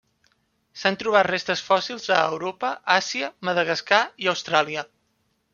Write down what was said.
S'han trobat restes fòssils a Europa, Àsia, Madagascar, i Austràlia.